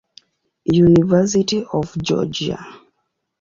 University of Georgia.